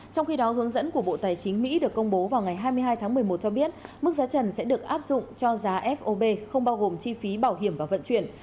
trong khi đó hướng dẫn của bộ tài chính mỹ được công bố vào ngày hai mươi hai tháng một mươi một cho biết mức giá trần sẽ được áp dụng cho giá fob không bao gồm chi phí bảo hiểm và vận chuyển